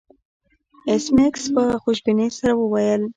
ایس میکس په خوشبینۍ سره وویل